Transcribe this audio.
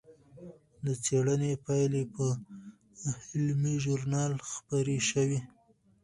د څېړنې پایلې په علمي ژورنال خپرې شوې.